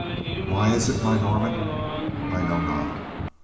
"Why it is, my Norman, I know not.